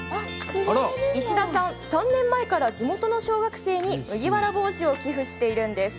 石田さん、３年前から地元の小学生に麦わら帽子を寄付しているんです。